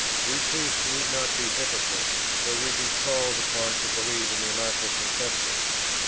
We priests need not be hypocrites, though we be called upon to believe in the Immaculate Conception.